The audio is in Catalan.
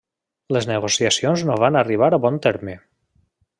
Les negociacions no van arribar bon terme.